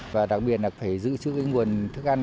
và đặc biệt là phải giữ chữ vĩnh quần thức ăn